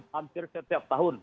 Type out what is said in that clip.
hampir setiap tahun